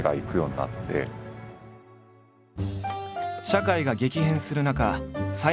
社会が激変する中斎